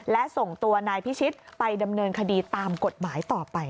และส่งตัวนายพิชิตไปดำเนินคดีตามกฎหมายต่อไป